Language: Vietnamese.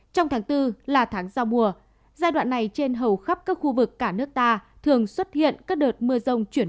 trong tháng bốn là tháng giao mùa giai đoạn này trên hầu khắp các khu vực cả nước ta thường xuất hiện các đợt mưa rông chuyển